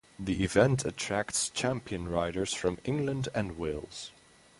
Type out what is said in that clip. The event attracts champion riders from England and Wales.